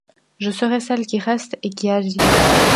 Je serai celle qui reste et qui agit.